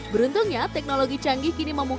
beruntungnya teknologi canggih kini sudah berhasil